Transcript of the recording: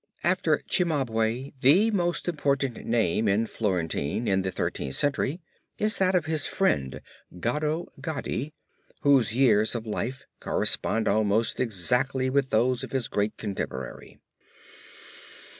After Cimabue the most important name at Florentine in the Thirteenth Century is that of his friend, Gaddo Gaddi, whose years of life correspond almost exactly with those of his great contemporary.